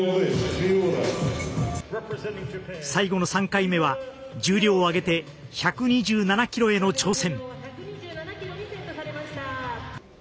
最後の３回目は重量を上げて１２７キロへの挑戦。